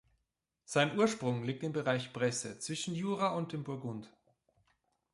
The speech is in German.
Sein Ursprung liegt im Bereich Bresse, zwischen Jura und dem Burgund.